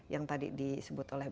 yang tadi disebut oleh